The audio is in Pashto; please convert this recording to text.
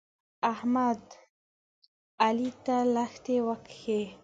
احمد؛ علي ته لښتې وکښې.